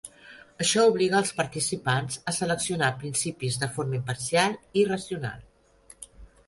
Això obliga els participants a seleccionar principis de forma imparcial i racional.